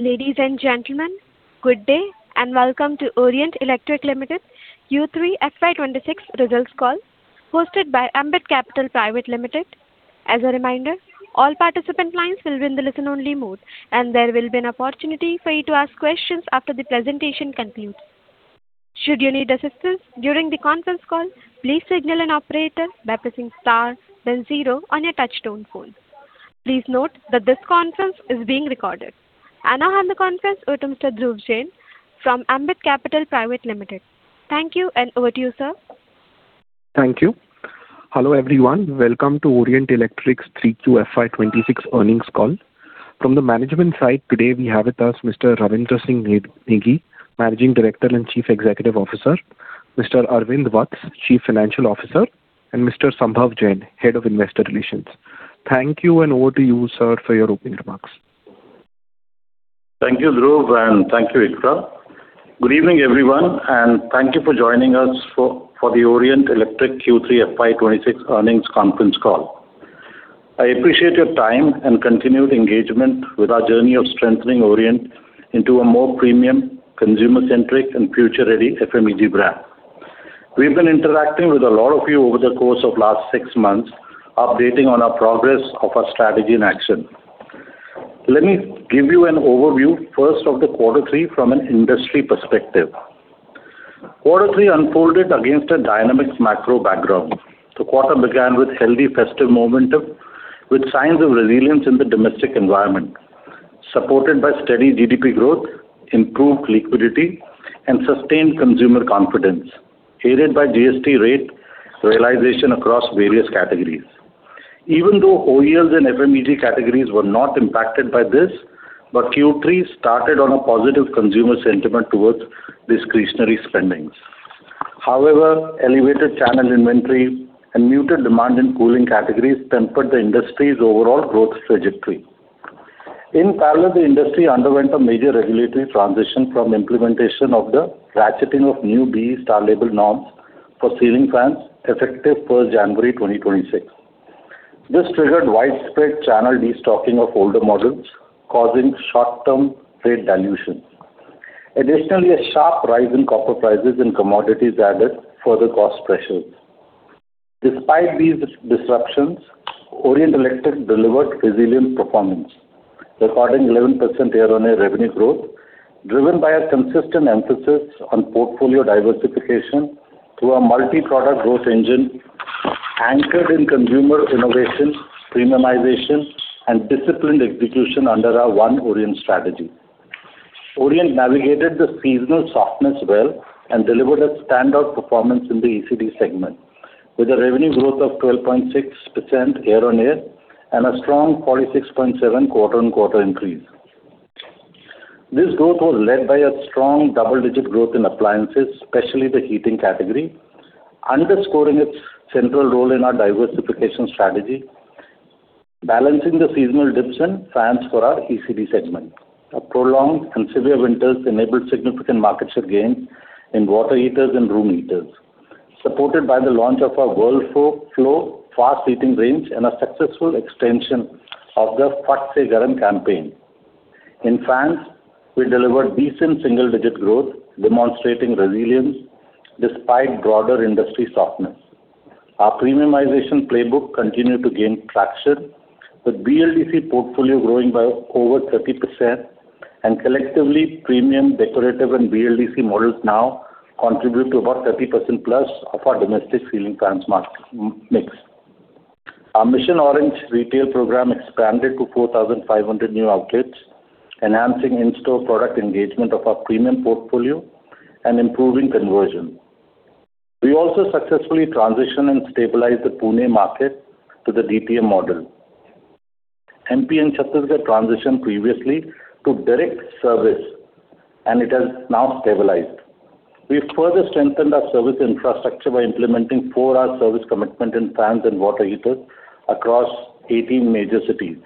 Ladies and gentlemen, good day and welcome to Orient Electric Limited Q3 FY 2026 Results Call, hosted by Ambit Capital Private Limited. As a reminder, all participant lines will be in the listen-only mode, and there will be an opportunity for you to ask questions after the presentation concludes. Should you need assistance during the conference call, please signal an operator by pressing star then zero on your touchtone phone. Please note that this conference is being recorded. And now, I have the conference, Dhruv Jain, from Ambit Capital Private Limited. Thank you, and over to you, sir. Thank you. Hello everyone, welcome to Orient Electric's 3Q FY 2026 earnings call. From the management side, today we have with us Mr. Ravindra Singh Negi, Managing Director and Chief Executive Officer, Mr. Arvind Vats, Chief Financial Officer, and Mr. Sambhav Jain, Head of Investor Relations. Thank you, and over to you, sir, for your opening remarks. Thank you, Dhruv, and thank you, Iqra. Good evening, everyone, and thank you for joining us for the Orient Electric Q3 FY 2026 earnings conference call. I appreciate your time and continued engagement with our journey of strengthening Orient into a more premium, consumer-centric, and future-ready FMEG brand. We've been interacting with a lot of you over the course of the last six months, updating on our progress of our strategy in action. Let me give you an overview first of the quarter three from an industry perspective. Quarter three unfolded against a dynamic macro background. The quarter began with healthy, festive momentum, with signs of resilience in the domestic environment, supported by steady GDP growth, improved liquidity, and sustained consumer confidence, aided by GST rate realization across various categories. Even though OEL's and FMEG categories were not impacted by this, Q3 started on a positive consumer sentiment towards discretionary spendings. However, elevated channel inventory and muted demand in cooling categories tempered the industry's overall growth trajectory. In parallel, the industry underwent a major regulatory transition from implementation of the ratcheting of new BEE label norms for ceiling fans effective 1st January 2026. This triggered widespread channel destocking of older models, causing short-term rate dilution. Additionally, a sharp rise in copper prices and commodities added further cost pressures. Despite these disruptions, Orient Electric delivered resilient performance, recording 11% year-on-year revenue growth, driven by a consistent emphasis on portfolio diversification through a multi-product growth engine anchored in consumer innovation, premiumization, and disciplined execution under our One Orient strategy. Orient navigated the seasonal softness well and delivered a standout performance in the ECD segment, with a revenue growth of 12.6% year-on-year and a strong 46.7% quarter-on-quarter increase. This growth was led by a strong double-digit growth in appliances, especially the heating category, underscoring its central role in our diversification strategy, balancing the seasonal dips in fans for our ECD segment. Prolonged and severe winters enabled significant market share gains in water heaters and room heaters, supported by the launch of our [Whirlflow] fast heating range and a successful extension of the Fatt se Garam campaign. In fans, we delivered decent single-digit growth, demonstrating resilience despite broader industry softness. Our premiumization playbook continued to gain traction, with BLDC portfolio growing by over 30%, and collectively, premium decorative and BLDC models now contribute to about +30% of our domestic ceiling fans market mix. Our Mission Orange retail program expanded to 4,500 new outlets, enhancing in-store product engagement of our premium portfolio and improving conversion. We also successfully transitioned and stabilized the Pune market to the DTM model. MP and Chhattisgarh transitioned previously to direct service, and it has now stabilized. We further strengthened our service infrastructure by implementing four-hour service commitment in fans and water heaters across 18 major cities.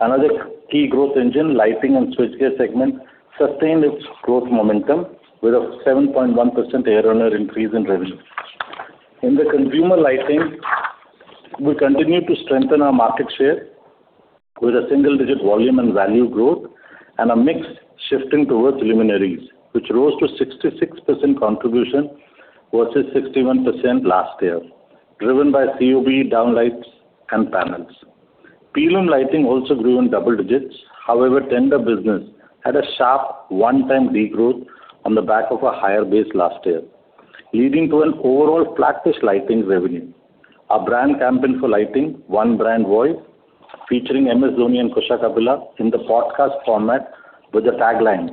Another key growth engine, lighting and switchgear segment, sustained its growth momentum with a 7.1% year-on-year increase in revenue. In the consumer lighting, we continue to strengthen our market share with a single-digit volume and value growth and a mix shifting towards luminaires, which rose to 66% contribution versus 61% last year, driven by COB downlights and panels. Panel lighting also grew in double digits. However, tender business had a sharp one-time degrowth on the back of a higher base last year, leading to an overall flat-ish lighting revenue. Our brand campaign for lighting, One Brand Voice, featuring MS Dhoni and Kusha Kapila in the podcast format with the tagline,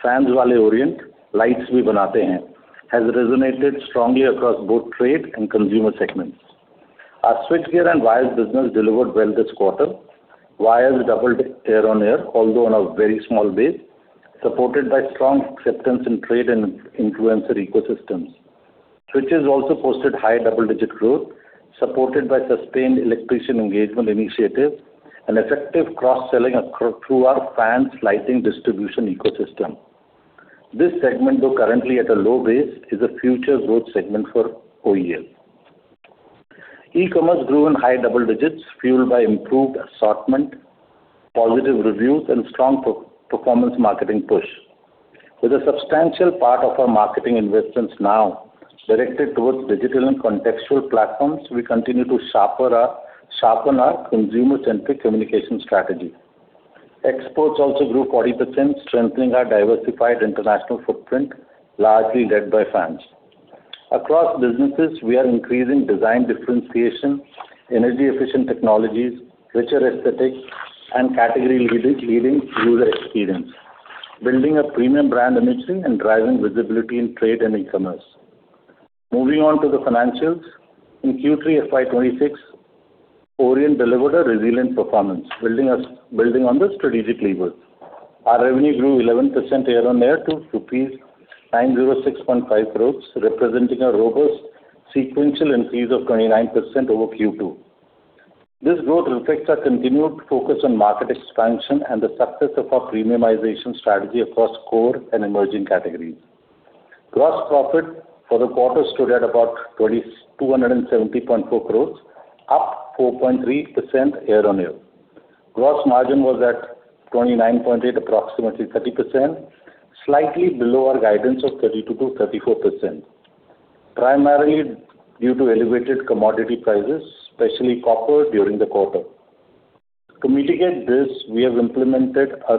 "Fans wale Orient, lights bhi banate hain," has resonated strongly across both trade and consumer segments. Our switchgear and wires business delivered well this quarter. Wires doubled year-on-year, although on a very small base, supported by strong acceptance in trade and influencer ecosystems. Switches also posted high double-digit growth, supported by sustained electrician engagement initiatives and effective cross-selling through our fans lighting distribution ecosystem. This segment, though currently at a low base, is a future growth segment for OEL. E-commerce grew in high double digits, fueled by improved assortment, positive reviews, and strong performance marketing push. With a substantial part of our marketing investments now directed towards digital and contextual platforms, we continue to sharpen our consumer-centric communication strategy. Exports also grew 40%, strengthening our diversified international footprint, largely led by fans. Across businesses, we are increasing design differentiation, energy-efficient technologies, richer aesthetics, and category-leading user experience, building a premium brand imagery and driving visibility in trade and e-commerce. Moving on to the financials, in Q3 FY 2026, Orient delivered a resilient performance, building on the strategic levers. Our revenue grew 11% year-on-year to rupees 906.5 crores, representing a robust sequential increase of 29% over Q2. This growth reflects our continued focus on market expansion and the success of our premiumization strategy across core and emerging categories. Gross profit for the quarter stood at about 270.4 crores, up 4.3% year-on-year. Gross margin was at 29.8%, approximately 30%, slightly below our guidance of 32%-34%, primarily due to elevated commodity prices, especially copper during the quarter. To mitigate this, we have implemented a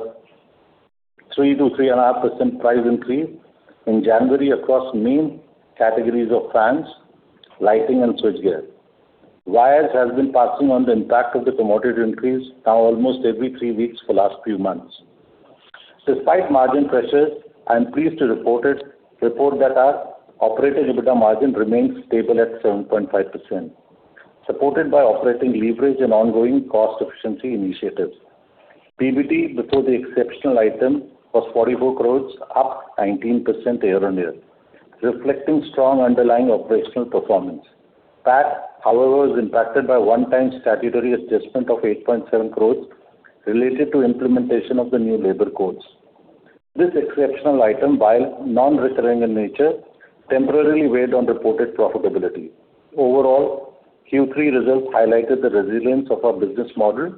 3%-3.5% price increase in January across main categories of fans, lighting, and switchgear. Wires has been passing on the impact of the commodity increase now almost every three weeks for the last few months. Despite margin pressures, I am pleased to report that our operating EBITDA margin remains stable at 7.5%, supported by operating leverage and ongoing cost-efficiency initiatives. PBT, before the exceptional item, was 44% growth, up 19% year-on-year, reflecting strong underlying operational performance. PAT, however, was impacted by a one-time statutory adjustment of 8.7% growth related to implementation of the new labor codes. This exceptional item, while non-recurring in nature, temporarily weighed on reported profitability. Overall, Q3 results highlighted the resilience of our business model,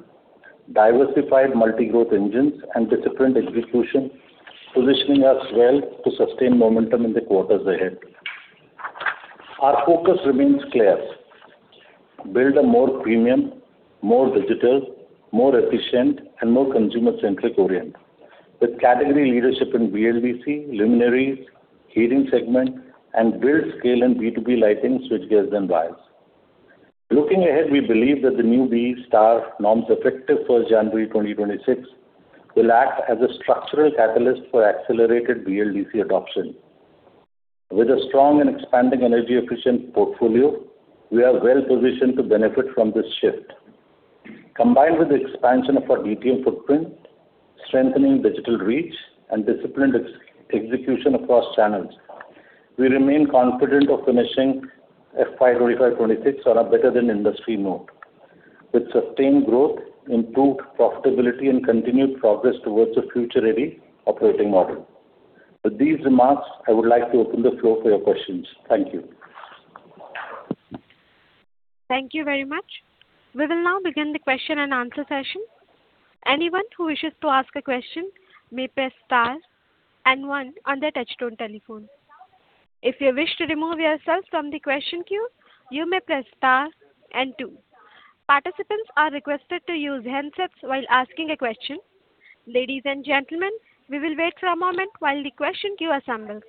diversified multi-growth engines, and disciplined execution, positioning us well to sustain momentum in the quarters ahead. Our focus remains clear: build a more premium, more digital, more efficient, and more consumer-centric Orient, with category leadership in BLDC, luminaires, heating segment, and build scale in B2B lighting, switchgears, and wires. Looking ahead, we believe that the new BEE norms, effective 1st January 2026, will act as a structural catalyst for accelerated BLDC adoption. With a strong and expanding energy-efficient portfolio, we are well-positioned to benefit from this shift. Combined with the expansion of our DTM footprint, strengthening digital reach, and disciplined execution across channels, we remain confident of finishing FY 2025/2026 on a better-than-industry note, with sustained growth, improved profitability, and continued progress towards a future-ready operating model. With these remarks, I would like to open the floor for your questions. Thank you. Thank you very much. We will now begin the question-and-answer session. Anyone who wishes to ask a question may press star and one on their touchtone telephone. If you wish to remove yourself from the question queue, you may press star and two. Participants are requested to use handsets while asking a question. Ladies and gentlemen, we will wait for a moment while the question queue assembles.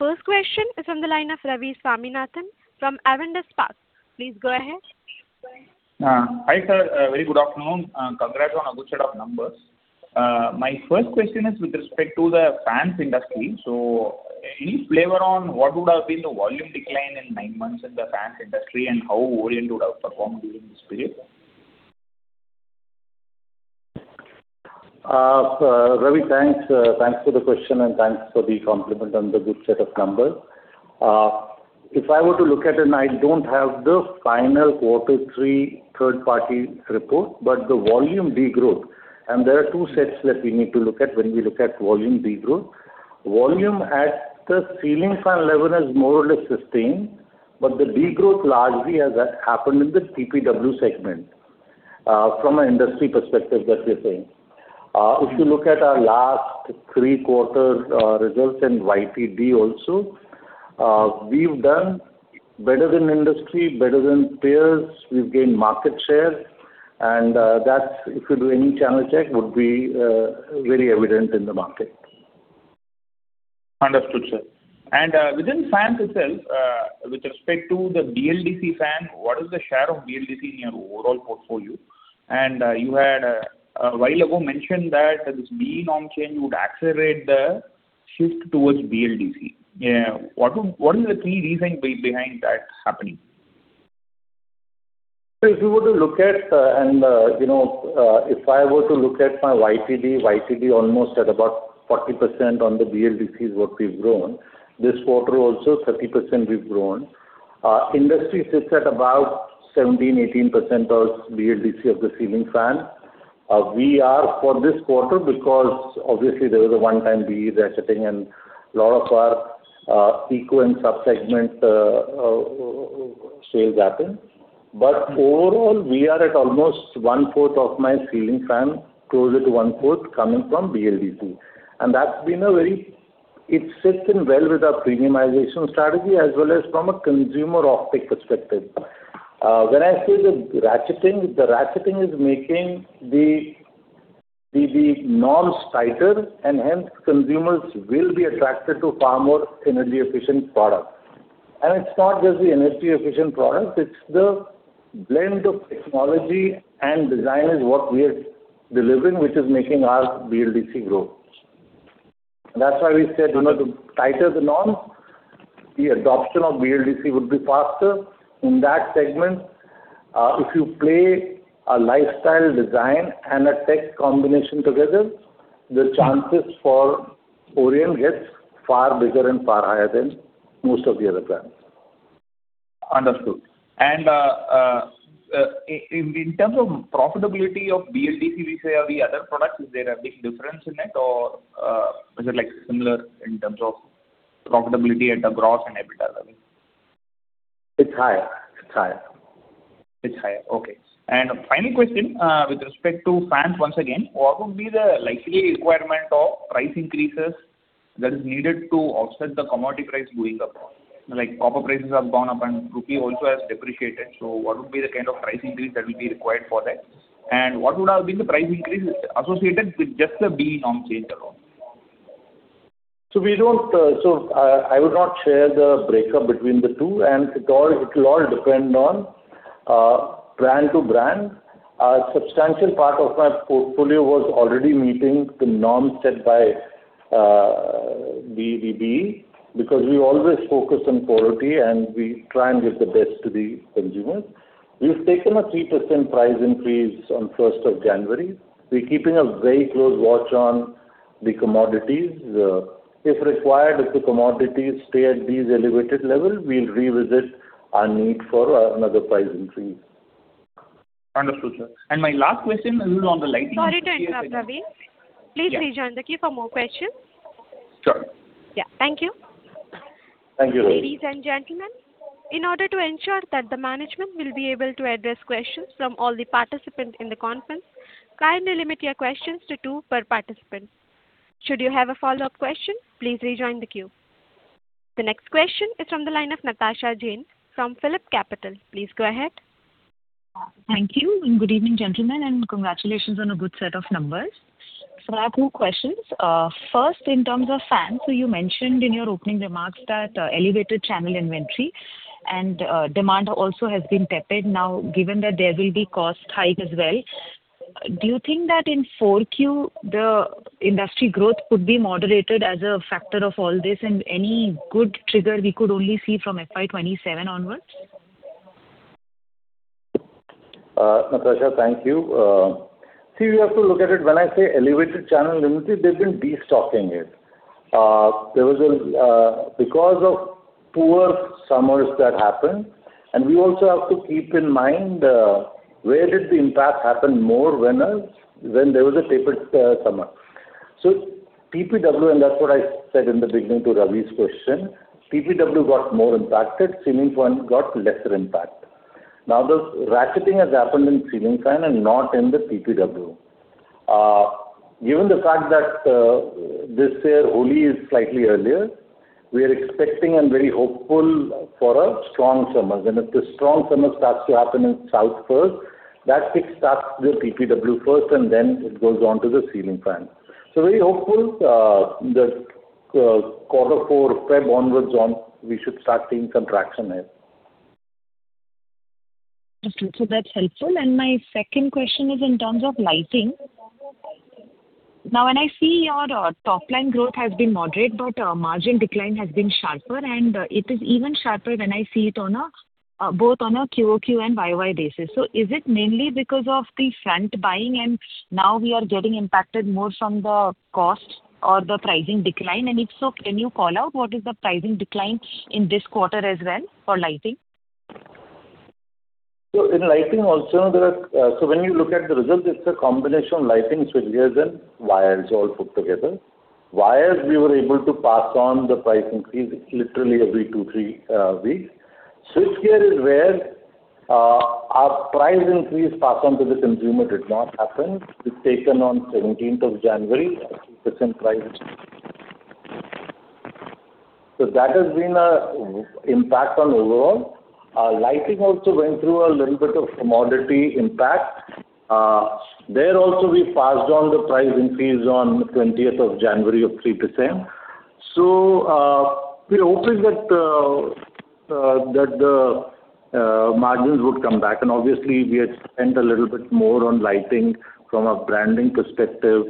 The first question is from the line of Ravi Swaminathan from Avendus Spark. Please go ahead. Hi, sir. Very good afternoon. Congrats on a good set of numbers. My first question is with respect to the fans industry. So any flavor on what would have been the volume decline in nine months in the fans industry and how Orient would have performed during this period? Ravi, thanks. Thanks for the question and thanks for the compliment on the good set of numbers. If I were to look at it, I don't have the final quarter three third-party report, but the volume degrowth, and there are two sets that we need to look at when we look at volume degrowth. Volume at the ceiling fan level has more or less sustained, but the degrowth largely has happened in the TPW segment from an industry perspective that we're seeing. If you look at our last three-quarter results in YTD also, we've done better than industry, better than peers. We've gained market share, and that, if you do any channel check, would be very evident in the market. Understood, sir. And within fans itself, with respect to the BLDC fan, what is the share of BLDC in your overall portfolio? And you had a while ago mentioned that this BEE norm change would accelerate the shift towards BLDC. What is the key reason behind that happening? If you were to look at, and if I were to look at my YTD, YTD almost at about 40% on the BLDC is what we've grown. This quarter also, 30% we've grown. Industry sits at about 17%-18% of BLDC of the ceiling fan. We are for this quarter because, obviously, there was a one-time BEE ratcheting and a lot of our eco and sub-segment sales happened. But overall, we are at almost 1/4 of my ceiling fan, closer to 1/4 coming from BLDC. And that's been a very—it sits in well with our premiumization strategy as well as from a consumer optic perspective. When I say the ratcheting, the ratcheting is making the norms tighter, and hence consumers will be attracted to far more energy-efficient products. And it's not just the energy-efficient products. It's the blend of technology and design is what we are delivering, which is making our BLDC grow. That's why we said the tighter the norms, the adoption of BLDC would be faster. In that segment, if you play a lifestyle design and a tech combination together, the chances for Orient gets far bigger and far higher than most of the other brands. Understood. And in terms of profitability of BLDC versus the other products, is there a big difference in it, or is it similar in terms of profitability at the gross and EBITDA level? It's higher. It's higher. It's higher. Okay. And final question with respect to fans once again, what would be the likely requirement of price increases that is needed to offset the commodity price going up? Like copper prices have gone up, and rupee also has depreciated. So what would be the kind of price increase that will be required for that? And what would have been the price increase associated with just the BEE norm change alone? So I would not share the breakup between the two, and it will all depend on brand to brand. A substantial part of my portfolio was already meeting the norms set by BEE because we always focus on quality, and we try and give the best to the consumers. We've taken a 3% price increase on 1st of January. We're keeping a very close watch on the commodities. If required, if the commodities stay at these elevated levels, we'll revisit our need for another price increase. Understood, sir. And my last question is on the lighting. Sorry to interrupt, Ravi. Please rejoin the queue for more questions. Sure. Yeah. Thank you. Thank you, Ravi. Ladies and gentlemen, in order to ensure that the management will be able to address questions from all the participants in the conference, kindly limit your questions to two per participant. Should you have a follow-up question, please rejoin the queue. The next question is from the line of Natasha Jain from PhillipCapital. Please go ahead. Thank you. And good evening, gentlemen, and congratulations on a good set of numbers. So I have two questions. First, in terms of fans, so you mentioned in your opening remarks that elevated channel inventory and demand also has been tepid. Now, given that there will be cost hike as well, do you think that in 4Q the industry growth could be moderated as a factor of all this and any good trigger we could only see from FY 2027 onwards? Natasha, thank you. See, we have to look at it. When I say elevated channel inventory, they've been destocking it. Because of poor summers that happened, and we also have to keep in mind where did the impact happen more when there was a tepid summer. So TPW, and that's what I said in the beginning to Ravi's question, TPW got more impacted. Ceiling fan got lesser impact. Now, the ratcheting has happened in ceiling fan and not in the TPW. Given the fact that this year, Holi is slightly earlier, we are expecting and very hopeful for a strong summer. And if the strong summer starts to happen in South first, that kickstarts the TPW first, and then it goes on to the ceiling fan. So very hopeful that quarter four, February onwards, we should start seeing some traction here. Understood. So that's helpful. And my second question is in terms of lighting. Now, when I see your top-line growth has been moderate, but margin decline has been sharper, and it is even sharper when I see it both on a Q-on-Q and Y-o-Y basis. So is it mainly because of the front buying, and now we are getting impacted more from the cost or the pricing decline? And if so, can you call out what is the pricing decline in this quarter as well for lighting? So in lighting also, so when you look at the results, it's a combination of lighting, switchgears, and wires all put together. Wires, we were able to pass on the price increase literally every two, three weeks. Switchgear is where our price increase passed on to the consumer did not happen. It's taken on 17th of January, 2% price. So that has been an impact on overall. Lighting also went through a little bit of commodity impact. There also, we passed on the price increase on 20th of January of 3%. So we're hoping that the margins would come back. And obviously, we had spent a little bit more on lighting from a branding perspective,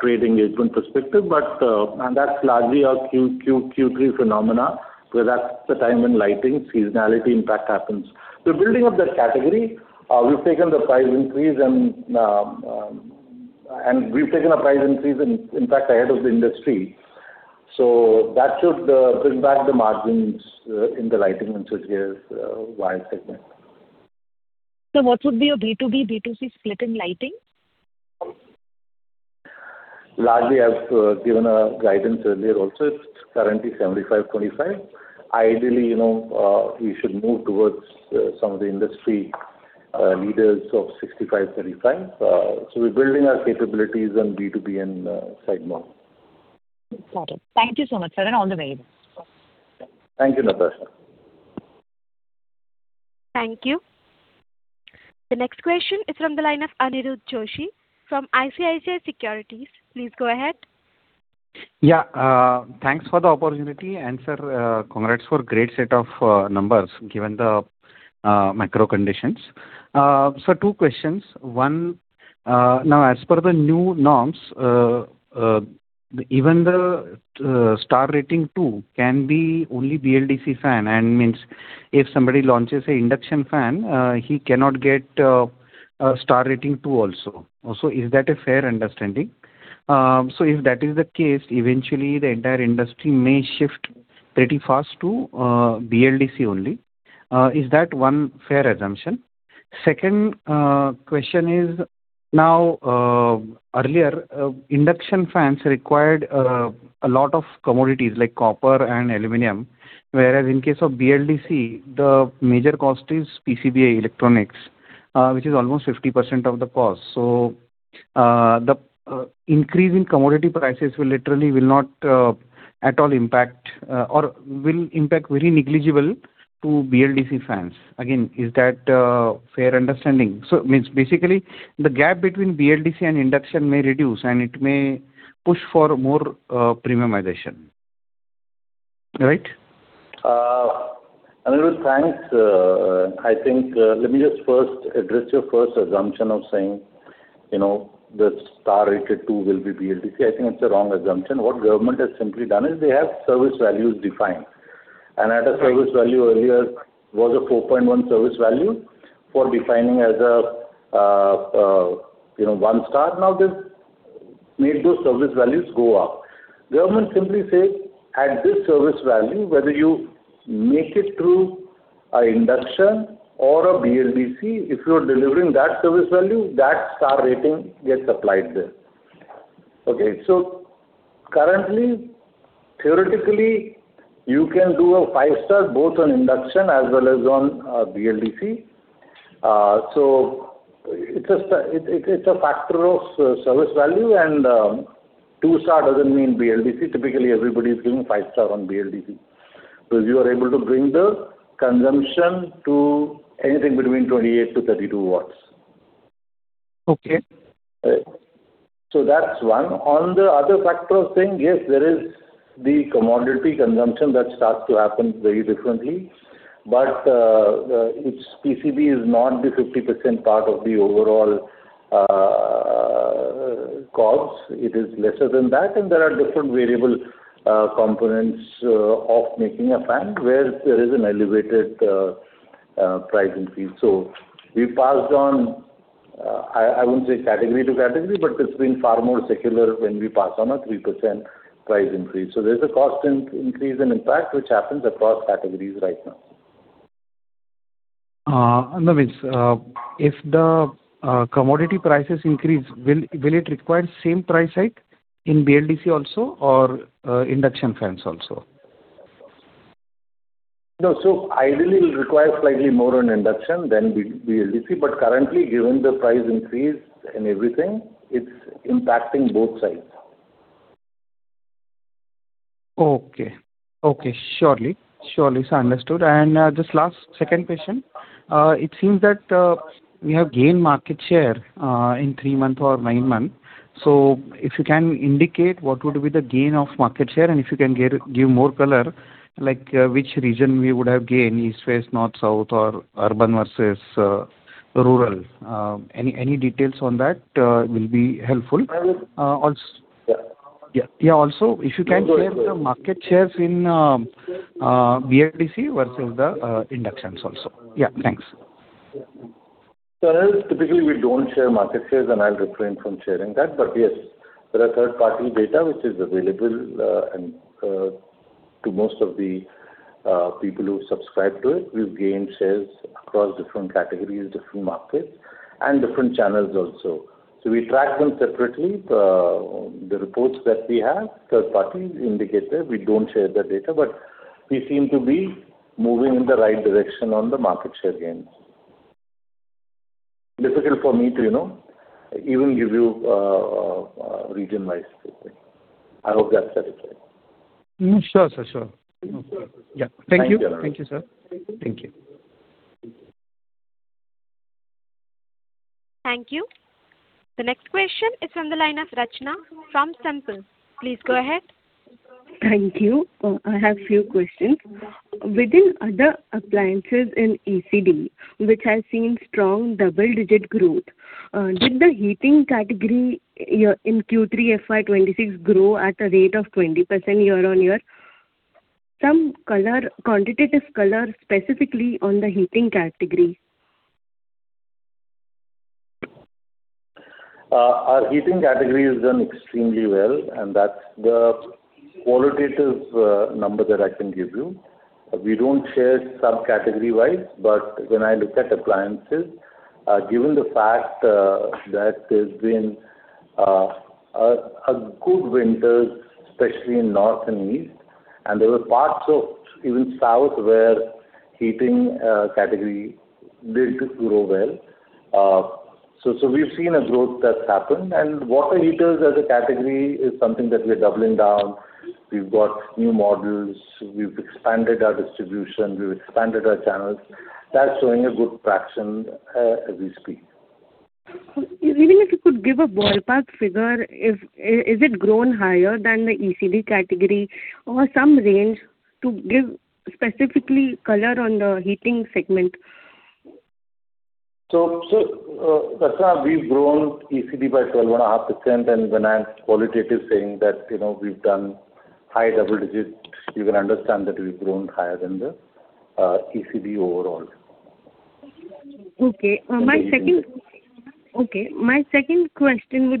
trade engagement perspective. And that's largely a Q3 phenomenon because that's the time when lighting seasonality impact happens. We're building up that category. We've taken the price increase, in fact, ahead of the industry. So that should bring back the margins in the lighting and switchgear wire segment. So what would be your B2B, B2C split in lighting? Largely, I've given guidance earlier also. It's currently 75/25. Ideally, we should move towards some of the industry leaders of 65/35. So we're building our capabilities on B2B and sales model. Got it. Thank you so much, sir. And all the very best. Thank you, Natasha. Thank you. The next question is from the line of Aniruddha Joshi from ICICI Securities. Please go ahead. Yeah. Thanks for the opportunity and, sir, congrats for a great set of numbers given the macro conditions. Sir, two questions. One, now, as per the new norms, even the star rating two can be only BLDC fan, and means if somebody launches an induction fan, he cannot get a star rating two also, so is that a fair understanding? So if that is the case, eventually, the entire industry may shift pretty fast to BLDC only. Is that one fair assumption? Second question is, now, earlier, induction fans required a lot of commodities like copper and aluminum, whereas in case of BLDC, the major cost is PCBA electronics, which is almost 50% of the cost, so the increase in commodity prices will literally not at all impact or will impact very negligibly to BLDC fans. Again, is that a fair understanding? So basically, the gap between BLDC and induction may reduce, and it may push for more premiumization. Right? Anirudh, thanks. I think let me just first address your first assumption of saying the star rated two will be BLDC. I think it's a wrong assumption. What government has simply done is they have service values defined, and at a service value earlier, it was a 4.1 service value for defining as a one star. Now, they've made those service values go up. Government simply said, at this service value, whether you make it through an induction or a BLDC, if you're delivering that service value, that star rating gets applied there. Okay. So currently, theoretically, you can do a 5 star both on induction as well as on BLDC. So it's a factor of service value, and 2 star doesn't mean BLDC. Typically, everybody is giving 5 star on BLDC because you are able to bring the consumption to anything between 28-32 watts. Okay. So that's one. On the other factor of saying, yes, there is the commodity consumption that starts to happen very differently, but its PCB is not the 50% part of the overall cost. It is lesser than that. And there are different variable components of making a fan where there is an elevated price increase. So we passed on, I wouldn't say category to category, but it's been far more secular when we pass on a 3% price increase. So there's a cost increase and impact which happens across categories right now. Understood, if the commodity prices increase, will it require same price hike in BLDC also or induction fans also? No, so ideally, it will require slightly more on induction than BLDC, but currently, given the price increase and everything, it's impacting both sides. Okay. Surely. So understood. And just last second question. It seems that we have gained market share in three months or nine months. So if you can indicate what would be the gain of market share and if you can give more color, like which region we would have gained, East, West, North, South, or urban versus rural, any details on that will be helpful. Also, if you can share the market shares in BLDC versus the inductions also. Yeah. Thanks. Typically, we don't share market shares, and I'll refrain from sharing that. But yes, there are third-party data which is available to most of the people who subscribe to it. We've gained shares across different categories, different markets, and different channels also. So we track them separately. The reports that we have, third parties indicate that we don't share the data, but we seem to be moving in the right direction on the market share gains. Difficult for me to even give you region-wise statement. I hope that's satisfied. Sure, sir. Thank you. Thank you, sir. Thank you. Thank you. The next question is from the line of Rachna from Systematix. Please go ahead. Thank you. I have a few questions. Within other appliances in ECD, which has seen strong double-digit growth, did the heating category in Q3 FY 2026 grow at a rate of 20% year-on-year? Some quantitative color specifically on the heating category. Our heating category has done extremely well, and that's the qualitative number that I can give you. We don't share subcategory-wise, but when I look at appliances, given the fact that there's been a good winter, especially in north and east, and there were parts of even south where heating category did grow well, so we've seen a growth that's happened, and water heaters as a category is something that we are doubling down. We've got new models. We've expanded our distribution. We've expanded our channels. That's showing a good traction as we speak. Even if you could give a ballpark figure, is it grown higher than the ECD category or some range to give specifically color on the heating segment? We've grown ECD by 12.5%, and when I'm saying qualitatively that we've done high double-digit, you can understand that we've grown higher than the ECD overall. Okay. My second question would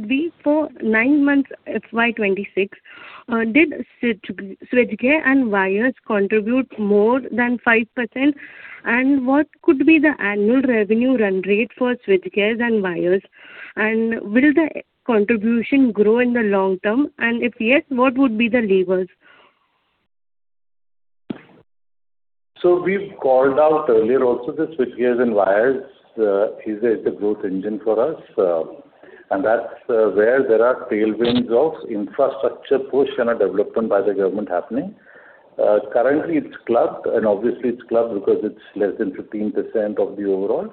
be for nine months FY 2026, did switchgear and wires contribute more than 5%? And what could be the annual revenue run rate for switchgears and wires? And will the contribution grow in the long term? And if yes, what would be the levers? We've called out earlier also the switchgears and wires is a growth engine for us. And that's where there are tailwinds of infrastructure push and a development by the government happening. Currently, it's clubbed, and obviously, it's clubbed because it's less than 15% of the overall.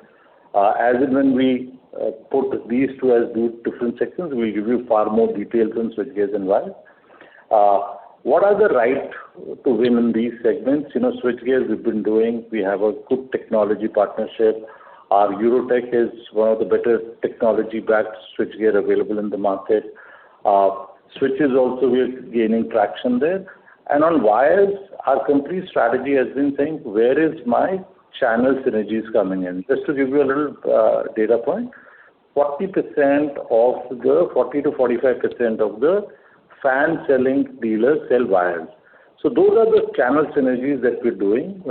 As in when we put these two as different segments, we'll give you far more details on switchgears and wires. What are the right to win in these segments? Switchgears, we've been doing. We have a good technology partnership. Our EuroTech is one of the better technology-backed switchgear available in the market. Switches also, we're gaining traction there. And on wires, our complete strategy has been saying, "Where is my channel synergies coming in?" Just to give you a little data point, 40% of the 40%-45% of the fan selling dealers sell wires. So those are the channel synergies that we're doing.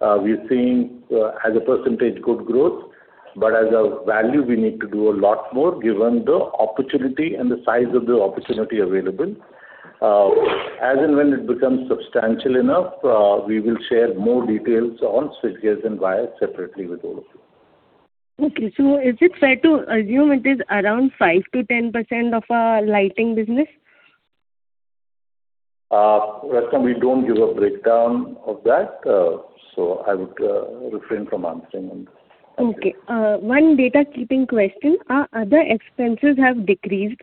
Currently, we're seeing as a percentage good growth, but as a value, we need to do a lot more given the opportunity and the size of the opportunity available. As in when it becomes substantial enough, we will share more details on switchgears and wires separately with all of you. Okay. So is it fair to assume it is around 5%-10% of our lighting business? Rachna, we don't give a breakdown of that. So I would refrain from answering on that. Okay. One data-keeping question. Our other expenses have decreased.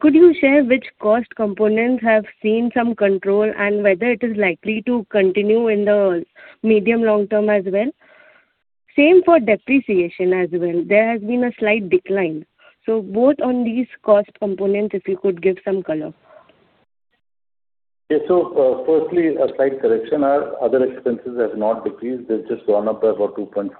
Could you share which cost components have seen some control and whether it is likely to continue in the medium-long term as well? Same for depreciation as well. There has been a slight decline. So both on these cost components, if you could give some color. Yeah. So firstly, a slight correction. Our other expenses have not decreased. They've just gone up by about 2.4%.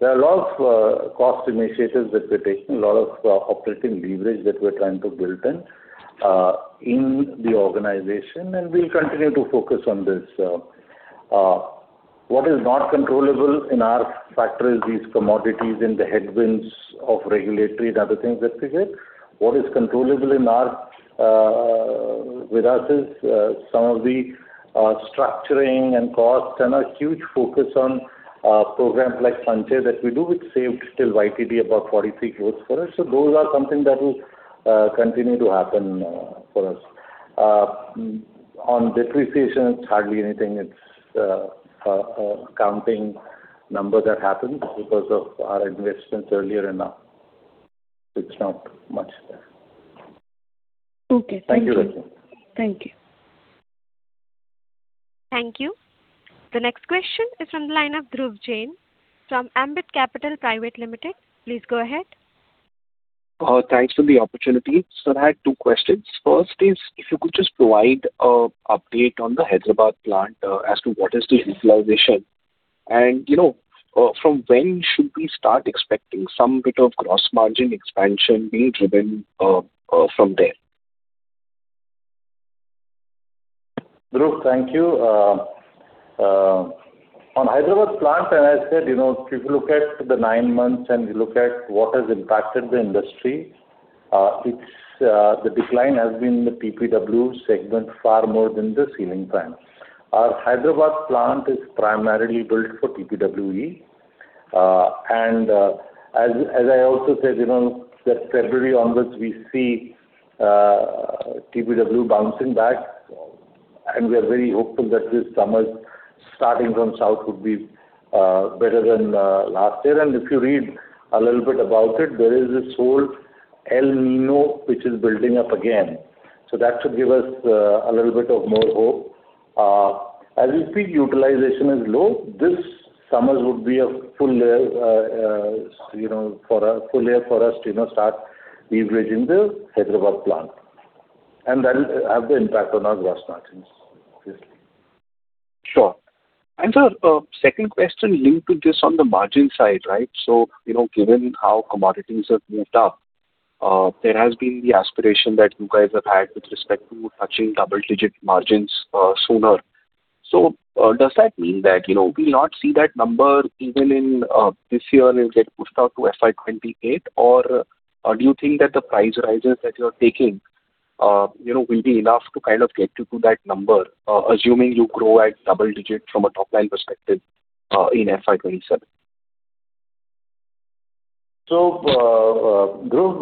There are a lot of cost initiatives that we're taking, a lot of operating leverage that we're trying to build in the organization, and we'll continue to focus on this. What is not controllable in our favor is these commodities and the headwinds of regulatory and other things that we get. What is controllable with us is some of the structuring and cost and a huge focus on programs like Sanchay that we do, which saved still YTD about 43% growth for us. So those are something that will continue to happen for us. On depreciation, it's hardly anything. It's an accounting number that happens because of our investments earlier and now. It's not much there. Okay. Thank you. Thank you, Rachna. Thank you. Thank you. The next question is from the line of Dhruv Jain from Ambit Capital Private Limited. Please go ahead. Thanks for the opportunity. Sir, I had two questions. First is, if you could just provide an update on the Hyderabad plant as to what is the utilization and from when should we start expecting some bit of gross margin expansion being driven from there? Dhruv, thank you. On Hyderabad plant, as I said, if you look at the nine months and you look at what has impacted the industry, the decline has been the TPW segment far more than the ceiling fan. Our Hyderabad plant is primarily built for TPW, and as I also said, that February, August, we see TPW bouncing back, and we are very hopeful that this summer, starting from south, would be better than last year, and if you read a little bit about it, there is this whole El Niño which is building up again, so that should give us a little bit of more hope. As we speak, utilization is low. This summer would be a full year for us to start leveraging the Hyderabad plant, and that will have the impact on our gross margins, obviously. Sure. And sir, second question linked to this on the margin side, right? So given how commodities have moved up, there has been the aspiration that you guys have had with respect to touching double-digit margins sooner. So does that mean that we'll not see that number even in this year and it'll get pushed out to FY 2028? Or do you think that the price rises that you're taking will be enough to kind of get you to that number, assuming you grow at double-digit from a top-line perspective in FY 2027? Dhruv,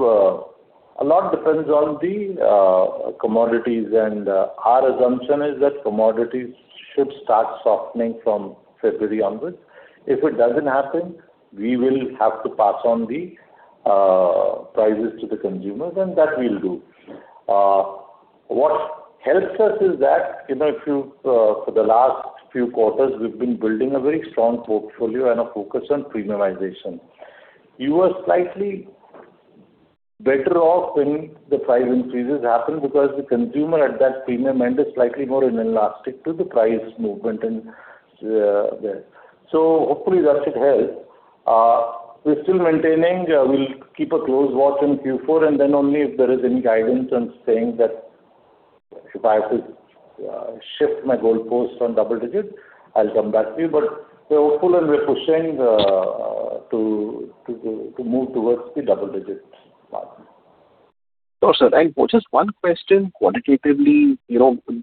a lot depends on the commodities, and our assumption is that commodities should start softening from February onwards. If it doesn't happen, we will have to pass on the prices to the consumers, and that we'll do. What helps us is that for the last few quarters, we've been building a very strong portfolio and a focus on premiumization. You were slightly better off when the price increases happened because the consumer at that premium end is slightly more inelastic to the price movement. Hopefully, that should help. We're still maintaining we'll keep a close watch on Q4, and then only if there is any guidance on saying that if I have to shift my goalpost on double-digit, I'll come back to you. But we're hopeful, and we're pushing to move towards the double-digit margin. Sure, sir. And just one question. Quantitatively,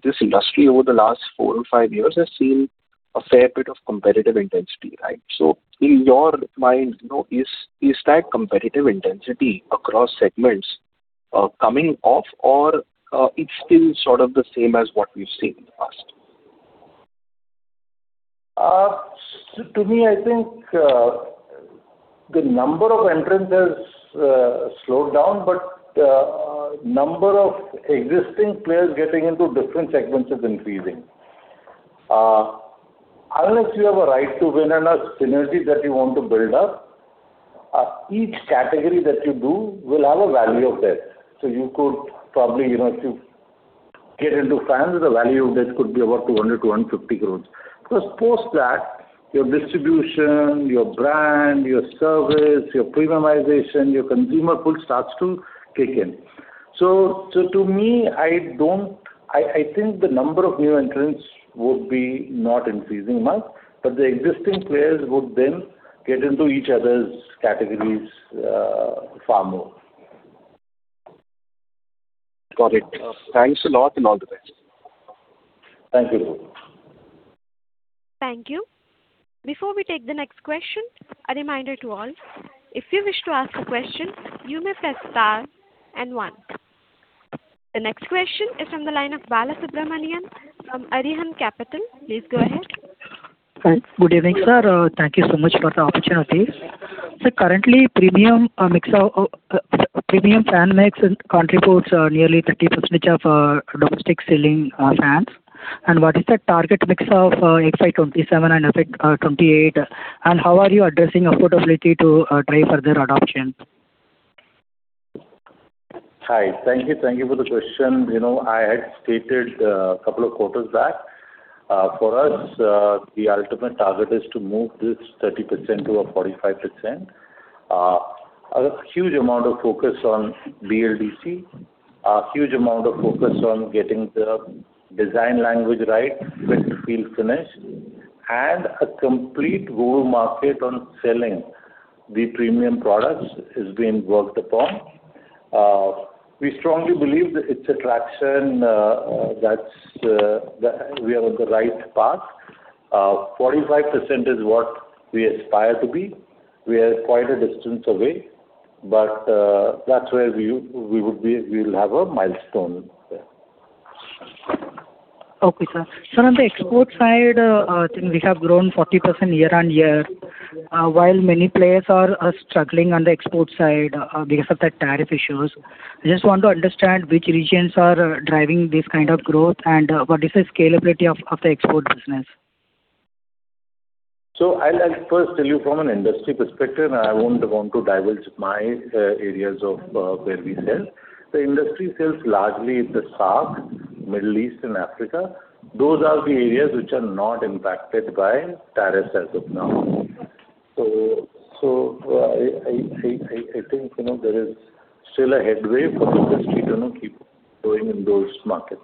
this industry over the last four or five years has seen a fair bit of competitive intensity, right? So in your mind, is that competitive intensity across segments coming off, or it's still sort of the same as what we've seen in the past? To me, I think the number of entrants has slowed down, but the number of existing players getting into different segments is increasing. Unless you have a right to win and a synergy that you want to build up, each category that you do will have a value of that. So you could probably, if you get into fans, the value of that could be about 200 to 150 growth. Because post that, your distribution, your brand, your service, your premiumization, your consumer pool starts to kick in. So to me, I think the number of new entrants would be not increasing much, but the existing players would then get into each other's categories far more. Got it. Thanks a lot and all the best. Thank you, Dhruv. Thank you. Before we take the next question, a reminder to all. If you wish to ask a question, you may press star and one. The next question is from the line of Balasubramanian from Arihant Capital. Please go ahead. Good evening, sir. Thank you so much for the opportunity. Sir, currently, premium fan makes contribute nearly 30% of domestic ceiling fans. And what is the target mix of FY 2027 and FY 2028? And how are you addressing affordability to drive further adoption? Hi. Thank you. Thank you for the question. I had stated a couple of quarters back. For us, the ultimate target is to move this 30% to 45%. A huge amount of focus on BLDC, a huge amount of focus on getting the design language right, fit to feel finished, and a complete go-to-market on selling the premium products is being worked upon. We strongly believe that it's a traction that we are on the right path. 45% is what we aspire to be. We are quite a distance away, but that's where we will have a milestone there. Okay, sir. Sir, on the export side, we have grown 40% year-on-year, while many players are struggling on the export side because of the tariff issues. I just want to understand which regions are driving this kind of growth and what is the scalability of the export business? So I'll first tell you from an industry perspective, and I won't want to divulge my areas of where we sell. The industry sells largely in the South, Middle East, and Africa. Those are the areas which are not impacted by tariffs as of now. So I think there is still a headway for the industry to keep going in those markets.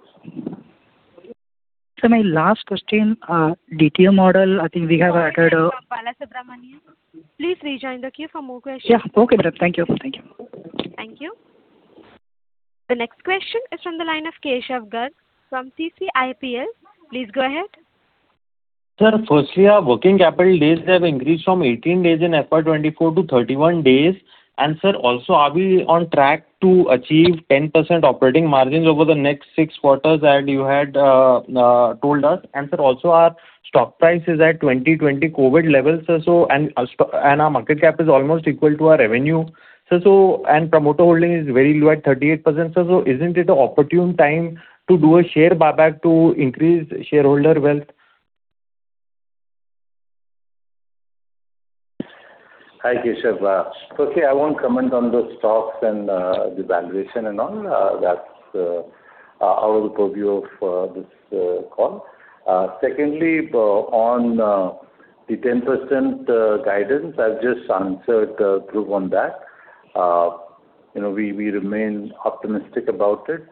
Sir, my last question. DTM model, I think we have added a- Please rejoin the queue for more questions. Yeah. Okay, sir. Thank you. Thank you. The next question is from the line of Keshav Garg from CCIPL. Please go ahead. Sir, firstly, our working capital days have increased from 18 days in FY 2024 to 31 days. And sir, also, are we on track to achieve 10% operating margins over the next six quarters as you had told us? And sir, also, our stock price is at 2020 COVID levels, and our market cap is almost equal to our revenue. And promoter holding is very low at 38%. Sir, so isn't it an opportune time to do a share buyback to increase shareholder wealth? Hi, Keshav. Firstly, I won't comment on the stocks and the valuation and all. That's out of the purview of this call. Secondly, on the 10% guidance, I've just answered Dhruv on that. We remain optimistic about it.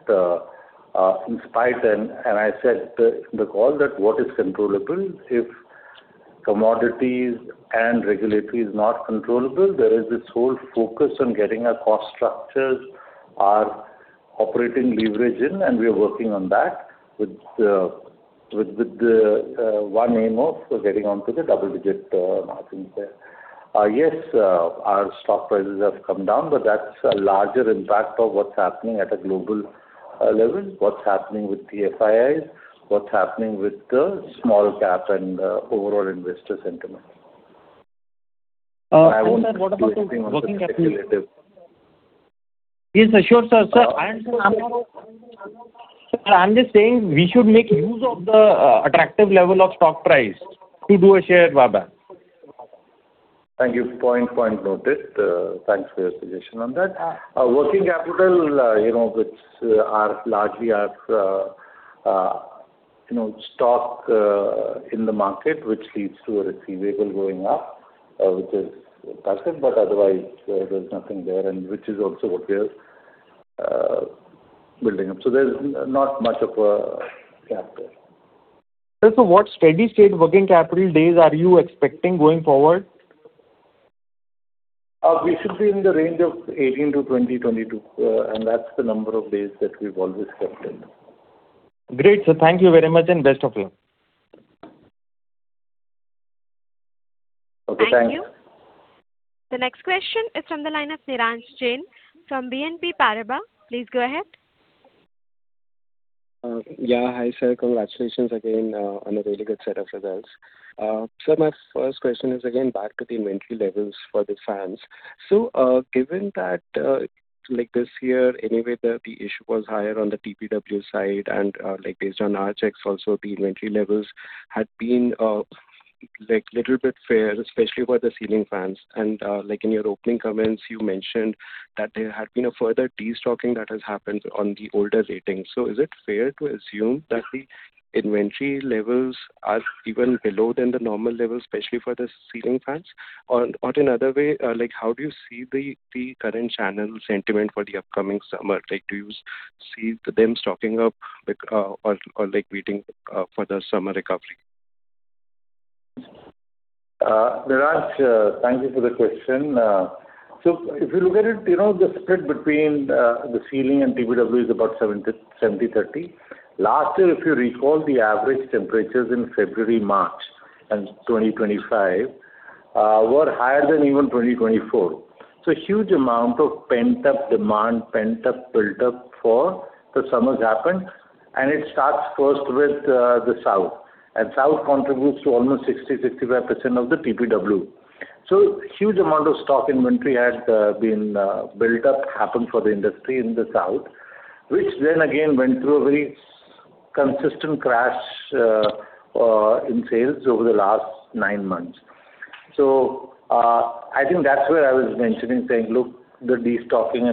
In spite, and I said in the call that what is controllable. If commodities and regulatory is not controllable. There is this whole focus on getting our cost structures or operating leverage in, and we are working on that with the one aim of getting onto the double-digit margins there. Yes, our stock prices have come down, but that's a larger impact of what's happening at a global level, what's happening with the FIIs, what's happening with the small cap and overall investor sentiment. Sir, what about the working capital? Yes, sure, sir. Sir, I'm just saying we should make use of the attractive level of stock price to do a share buyback. Thank you. Point noted. Thanks for your suggestion on that. Working capital, which largely are stock in the market, which leads to a receivable going up, which is perfect, but otherwise, there's nothing there, and which is also what we are building up. So there's not much of a gap there. Sir, so what steady-state working capital days are you expecting going forward? We should be in the range of 18 to 20-22, and that's the number of days that we've always kept it. Great. Sir, thank you very much and best of luck. Okay. Thanks. Thank you. The next question is from the line of Nirransh Jain,, from BNP Paribas. Please go ahead. Yeah. Hi, sir. Congratulations again on a really good set of results. Sir, my first question is again back to the inventory levels for the fans. So given that this year, anyway, the issue was higher on the TPW side, and based on our checks, also the inventory levels had been a little bit higher, especially for the ceiling fans. And in your opening comments, you mentioned that there had been a further destocking that has happened on the older ratings. So is it fair to assume that the inventory levels are even below than the normal levels, especially for the ceiling fans? Or in other way, how do you see the current channel sentiment for the upcoming summer? Do you see them stocking up or waiting for the summer recovery? Nirransh, thank you for the question. So if you look at it, the spread between the ceiling and TPW is about 70/30. Last year, if you recall, the average temperatures in February, March, and April 2025 were higher than even 2024. So a huge amount of pent-up demand, pent-up build-up for the summers happened, and it starts first with the south. And south contributes to almost 60%, 65% of the TPW. So a huge amount of stock inventory had been built up, happened for the industry in the south, which then again went through a very consistent crash in sales over the last nine months. So I think that's where I was mentioning, saying, "Look, the destocking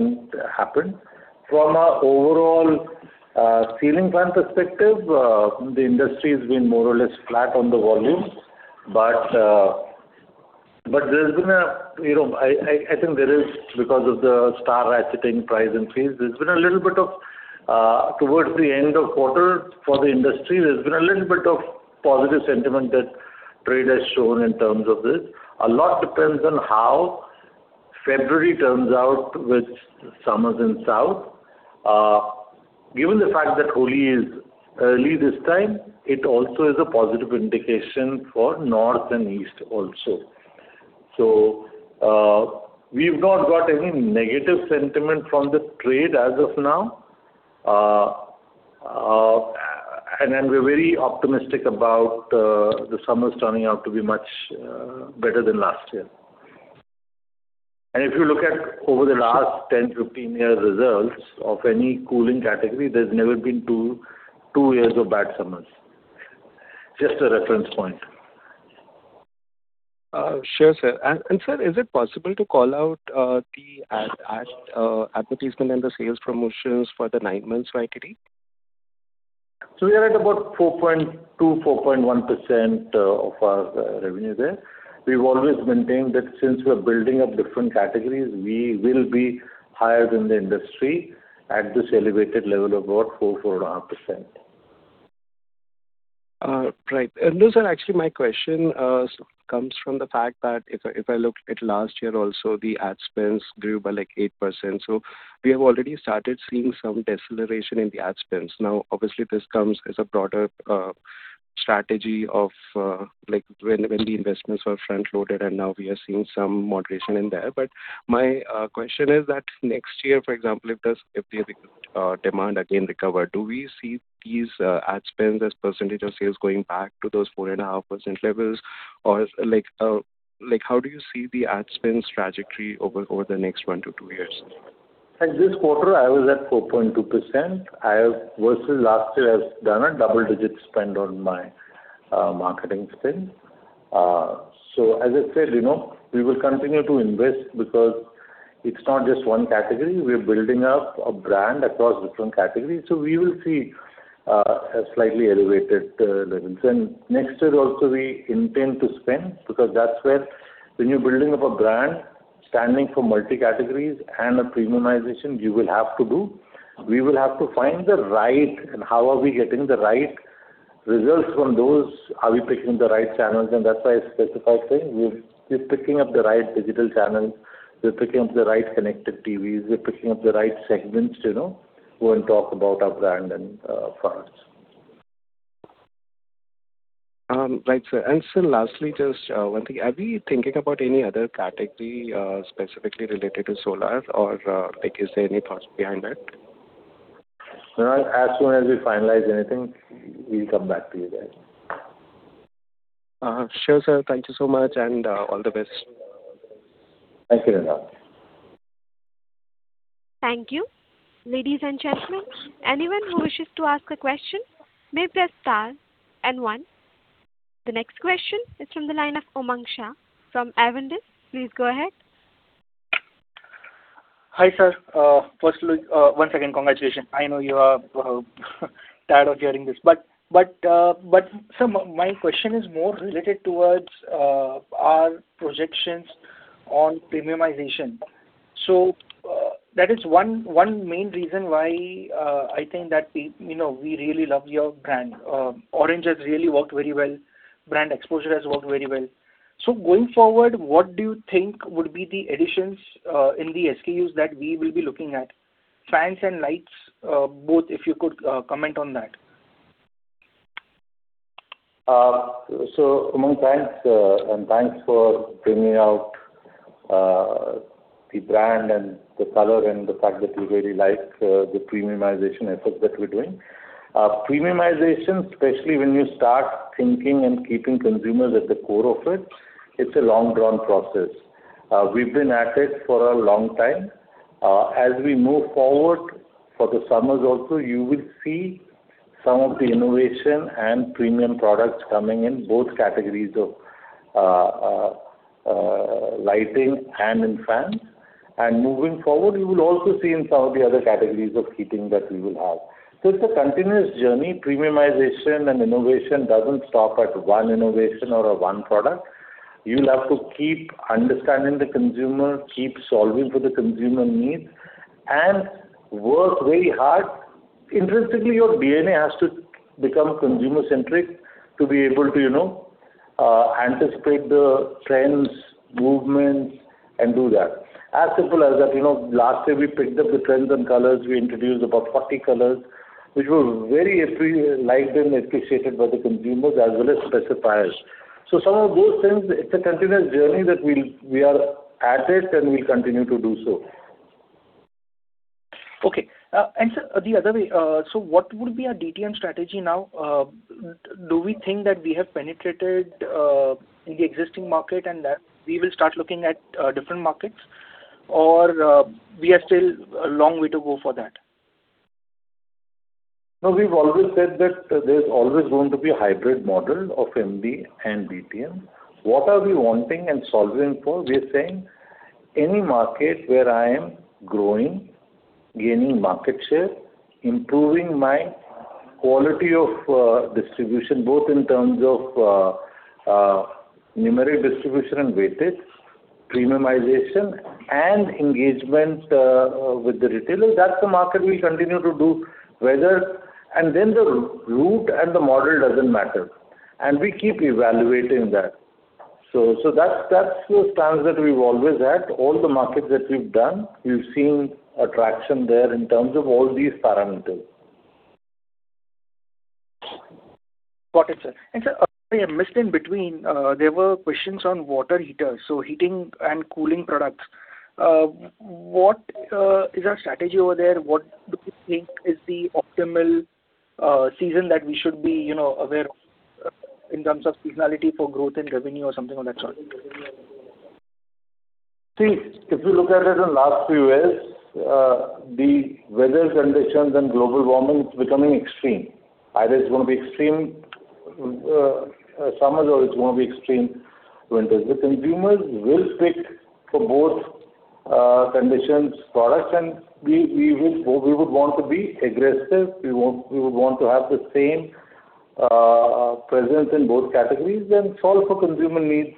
happened." From an overall ceiling fan perspective, the industry has been more or less flat on the volumes, but there's been a. I think there is, because of the star rating price increase, there's been a little bit of. Towards the end of quarter for the industry, there's been a little bit of positive sentiment that trade has shown in terms of this. A lot depends on how February turns out with summers in South. Given the fact that Holi is early this time, it also is a positive indication for North and East also. So we've not got any negative sentiment from the trade as of now, and we're very optimistic about the summers turning out to be much better than last year. If you look at over the last 10, 15 years' results of any cooling category, there's never been two years of bad summers. Just a reference point. Sure, sir and sir, is it possible to call out the advertisement and the sales promotions for the nine months YTD? We are at about 4.2%, 4.1% of our revenue there. We've always maintained that since we're building up different categories, we will be higher than the industry at this elevated level of about 4%, 4.5%. Right, and those are actually my questions. It comes from the fact that if I look at last year also, the ad spends grew by like 8%. So we have already started seeing some deceleration in the ad spends. Now, obviously, this comes as a broader strategy of when the investments were front-loaded, and now we are seeing some moderation in there. But my question is that next year, for example, if the demand again recovers, do we see these ad spends as percentage of sales going back to those 4.5% levels? Or how do you see the ad spends trajectory over the next one to two years? And this quarter, I was at 4.2% versus last year. I've done a double-digit spend on my marketing spend. So as I said, we will continue to invest because it's not just one category. We're building up a brand across different categories. So we will see slightly elevated levels. And next year, also, we intend to spend because that's where when you're building up a brand, standing for multi-categories and a premiumization you will have to do. We will have to find the right and how are we getting the right results from those? Are we picking the right channels? And that's why I specified saying we're picking up the right digital channels. We're picking up the right connected TVs. We're picking up the right segments who can talk about our brand and for us. Right, sir. Sir, lastly, just one thing. Are we thinking about any other category specifically related to solar, or is there any thoughts behind that? Nirransh, as soon as we finalize anything, we'll come back to you guys. Sure, sir. Thank you so much and all the best. Thank you, Nirransh. Thank you. Ladies and gentlemen, anyone who wishes to ask a question may press star and one. The next question is from the line of Umang Shah from Avendus. Please go ahead. Hi, sir. First, one second. Congratulations. I know you are tired of hearing this. But sir, my question is more related toward our projections on premiumization. So that is one main reason why I think that we really love your brand. Orient has really worked very well. Brand exposure has worked very well. So going forward, what do you think would be the additions in the SKUs that we will be looking at? Fans and lights, both if you could comment on that. So Umang, and thanks for bringing out the brand and the color and the fact that you really like the premiumization efforts that we're doing. Premiumization, especially when you start thinking and keeping consumers at the core of it, it's a long-drawn process. We've been at it for a long time. As we move forward for the summers also, you will see some of the innovation and premium products coming in both categories of lighting and in fans. And moving forward, you will also see in some of the other categories of heating that we will have. So it's a continuous journey. Premiumization and innovation doesn't stop at one innovation or one product. You'll have to keep understanding the consumer, keep solving for the consumer needs, and work very hard. Intrinsically, your DNA has to become consumer-centric to be able to anticipate the trends, movements, and do that. As simple as that. Last year, we picked up the trends and colors. We introduced about 40 colors, which were very liked and appreciated by the consumers as well as specifiers, so some of those things, it's a continuous journey that we are at it and we'll continue to do so. Okay. And sir, the other way, so what would be our DTM strategy now? Do we think that we have penetrated in the existing market and that we will start looking at different markets, or we are still a long way to go for that? No, we've always said that there's always going to be a hybrid model of MD and DTM. What are we wanting and solving for? We're saying any market where I am growing, gaining market share, improving my quality of distribution, both in terms of numeric distribution and weightage, premiumization, and engagement with the retailers, that's the market we'll continue to do. And then the route and the model doesn't matter. And we keep evaluating that. So that's the stance that we've always had. All the markets that we've done, we've seen attraction there in terms of all these parameters. Got it, sir, and sir, I missed in between, there were questions on water heaters, so heating and cooling products. What is our strategy over there? What do you think is the optimal season that we should be aware of in terms of seasonality for growth and revenue or something of that sort? See, if you look at it in the last few years, the weather conditions and global warming is becoming extreme. Either it's going to be extreme summers or it's going to be extreme winters. The consumers will pick for both conditions products, and we would want to be aggressive. We would want to have the same presence in both categories and solve for consumer needs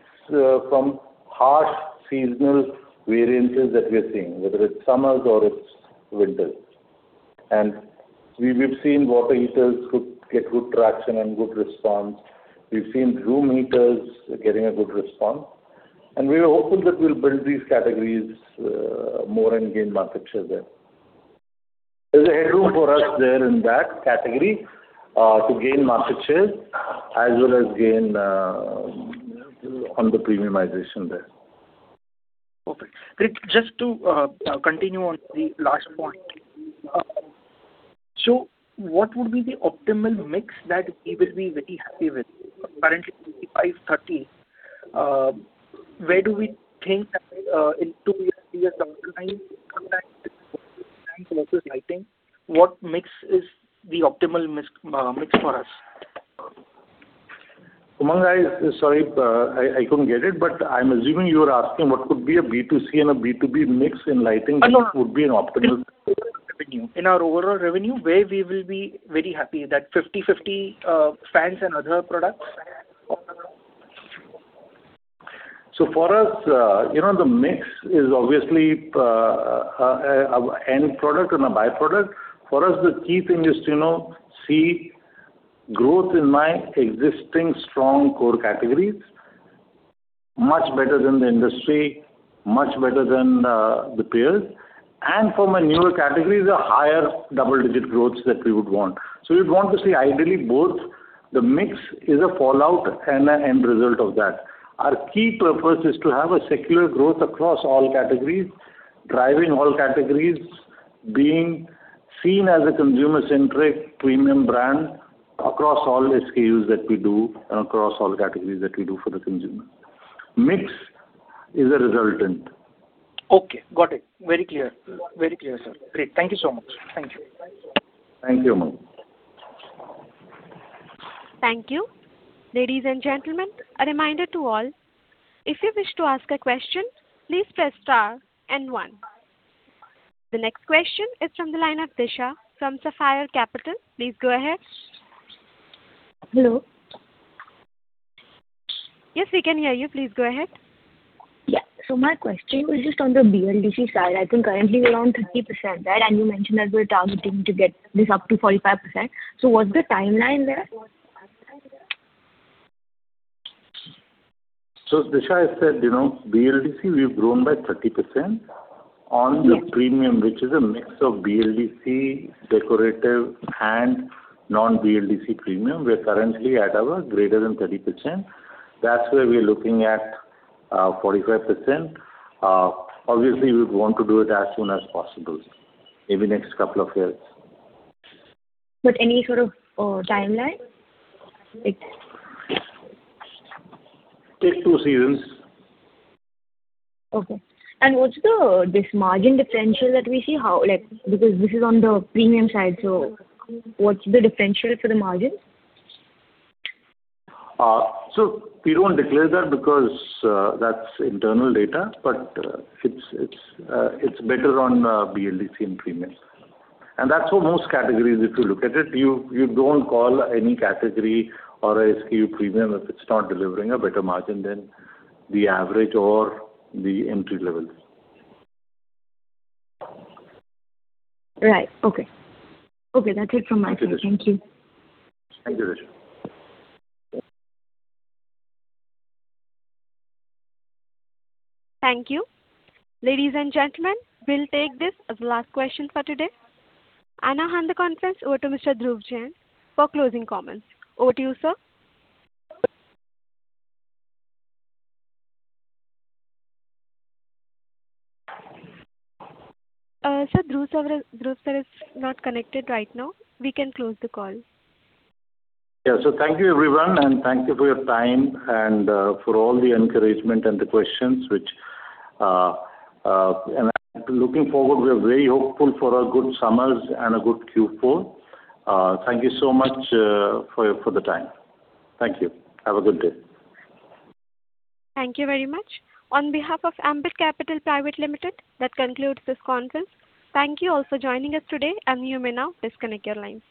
from harsh seasonal variances that we're seeing, whether it's summers or it's winters. And we've seen water heaters get good traction and good response. We've seen room heaters getting a good response. And we're hopeful that we'll build these categories more and gain market share there. There's a headroom for us there in that category to gain market share as well as gain on the premiumization there. Perfect. Great. Just to continue on the last point, so what would be the optimal mix that we will be very happy with? Currently, 50/30. Where do we think in two years, three years, down the line for that, for fans versus lighting, what mix is the optimal mix for us? Shah, sorry, I couldn't get it, but I'm assuming you were asking what could be a B2C and a B2B mix in lighting would be an optimal revenue. In our overall revenue, where we will be very happy, that 50/50 fans and other products? So for us, the mix is obviously an end product and a byproduct. For us, the key thing is to see growth in my existing strong core categories much better than the industry, much better than the peers. And for my newer categories, a higher double-digit growth that we would want. So we would want to see ideally both. The mix is a fallout and an end result of that. Our key purpose is to have a secular growth across all categories, driving all categories, being seen as a consumer-centric premium brand across all SKUs that we do and across all categories that we do for the consumers. Mix is a resultant. Okay. Got it. Very clear. Very clear, sir. Great. Thank you so much. Thank you. Thank you, Umang. Thank you. Ladies and gentlemen, a reminder to all, if you wish to ask a question, please press star and one. The next question is from the line of Disha from Sapphire Capital. Please go ahead. Hello. Yes, we can hear you. Please go ahead. Yeah. So my question was just on the BLDC side. I think currently we're around 30%, right? And you mentioned that we're targeting to get this up to 45%. So what's the timeline there? Disha has said BLDC. We've grown by 30% on the premium, which is a mix of BLDC, decorative, and non-BLDC premium. We're currently at over 30%. That's where we're looking at 45%. Obviously, we would want to do it as soon as possible, maybe next couple of years. But any sort of timeline? Take two seasons. Okay. And what's this margin differential that we see? Because this is on the premium side. So what's the differential for the margin? So we don't declare that because that's internal data, but it's better on BLDC and premium. And that's for most categories if you look at it. You don't call any category or SKU premium if it's not delivering a better margin than the average or the entry levels. Right. Okay. That's it from my side. Thank you. Thank you, Disha. Thank you. Ladies and gentlemen, we'll take this as the last question for today, and I'll hand the conference over to Mr. Dhruv Jain for closing comments. Over to you, sir. Sir Dhruv, sir is not connected right now. We can close the call. Yeah. So thank you, everyone. And thank you for your time and for all the encouragement and the questions, which I'm looking forward. We're very hopeful for a good summers and a good Q4. Thank you so much for the time. Thank you. Have a good day. Thank you very much. On behalf of Ambit Capital Private Limited, that concludes this conference. Thank you all for joining us today. And you may now disconnect your lines.